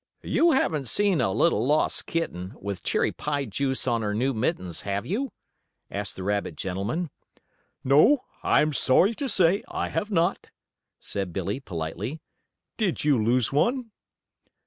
"You haven't seen a little lost kitten, with cherry pie juice on her new mittens, have you?" asked the rabbit gentleman. "No, I am sorry to say I have not," said Billie, politely. "Did you lose one?"